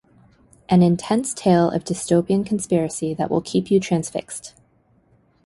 An intense tale of dystopian conspiracy that will keep you transfixed.